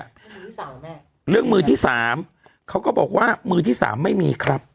มือที่สามแม่เรื่องมือที่สามเขาก็บอกว่ามือที่สามไม่มีครับ